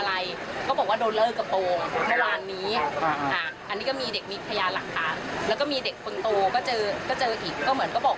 แล้วเขาก็วิ่งไปฟ้องว่าป้าไอ้คุณอันแล้วเขาก็บอก